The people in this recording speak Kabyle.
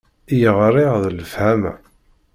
I yeɣriɣ d lefhama.